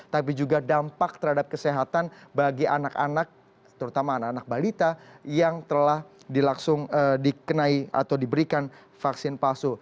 tapi juga dampak terhadap kesehatan bagi anak anak terutama anak anak balita yang telah dikenai atau diberikan vaksin palsu